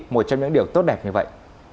một trong những điều tốt đẹp như vậy